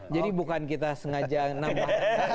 jadi bukan kita sengaja nambah